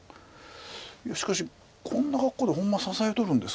いやしかしこんな格好でほんま支えとるんですか。